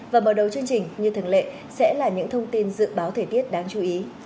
và mở đầu chương trình như thường lệ sẽ là những thông tin dự báo thời tiết đáng chú ý